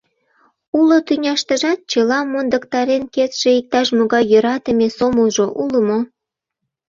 Уло тӱняштыжат чыла мондыктарен кертше иктаж-могай йӧратыме сомылжо уло мо?